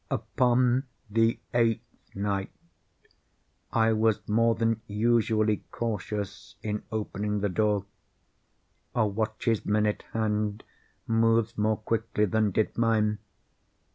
Upon the eighth night I was more than usually cautious in opening the door. A watch's minute hand moves more quickly than did mine.